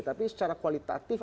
tapi secara kualitatif